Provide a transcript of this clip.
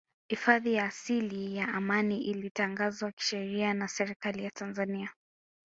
Hifadhi ya asili ya Amani ilitangazwa kisheria na Serikali ya Tanzania